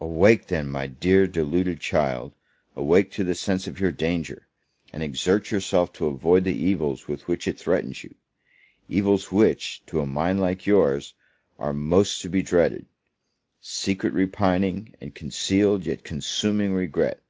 Awake then, my dear, my deluded child, awake to the sense of your danger, and exert yourself to avoid the evils with which it threatens you: evils which, to a mind like yours, are most to be dreaded; secret repining, and concealed, yet consuming regret!